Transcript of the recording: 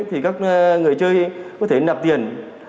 thì các người chơi có thể nạp tiền